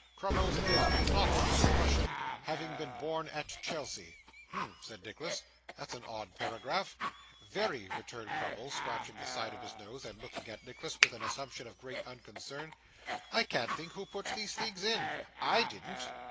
Crummles is NOT a Prussian, having been born at Chelsea." Humph!' said Nicholas, 'that's an odd paragraph.' 'Very,' returned Crummles, scratching the side of his nose, and looking at Nicholas with an assumption of great unconcern. 'I can't think who puts these things in. I didn't.